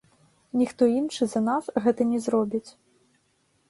Ніхто іншы за нас гэта не зробіць.